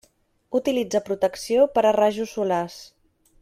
Utilitza protecció per a rajos solars.